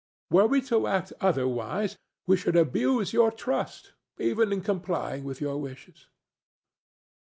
Were we to act otherwise, we should abuse your trust, even in complying with your wishes."